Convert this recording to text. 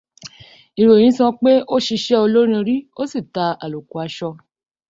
Ìròyìn sọ pé ó ṣiṣẹ́ olórin rí ó sì ta àlòkù àṣọ.